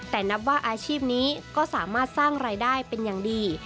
แต่นับว่าอาชีพนี้ก็สามารถสร้างรายได้เป็นอย่างดี